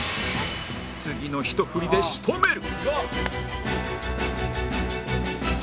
次のひと振りで仕留める